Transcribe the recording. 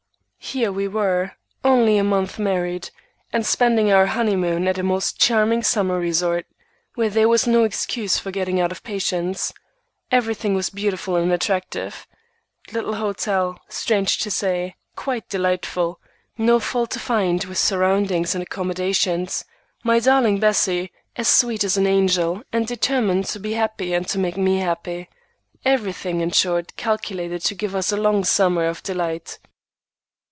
Here we were, only a month married, and spending our honeymoon at a most charming summer resort, where there was no excuse for getting out of patience. Everything was beautiful and attractive: Little hotel, strange to say, quite delightful; no fault to find with surroundings and accommodations; my darling Bessie, as sweet as an angel and determined to be happy and to make me happy; everything, in short, calculated to give us a long summer of delight.